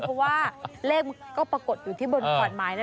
เพราะว่าเลขมันก็ปรากฏอยู่ที่บนขอนไม้นั่นแหละ